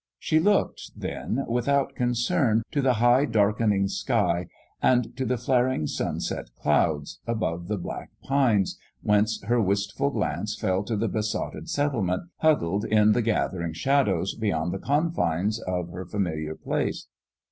She looked, then, without concern, to the high, darkening sky, and to the flaring sunset clouds, above the black pines, whence her wistful glance fell to the besotted settlement, huddled in the gathering shadows beyond the confines of her familiar place.